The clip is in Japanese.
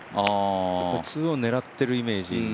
２オン狙っているイメージ。